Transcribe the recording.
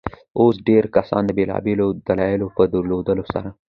اوس ډېرى کسان د بېلابيلو دلايلو په درلودلو سره.